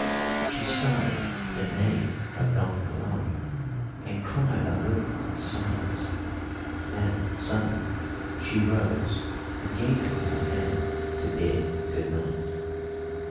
She started at the name of Don Hilario, and cried a little in silence; then suddenly she rose and gave me her hand to bid good night.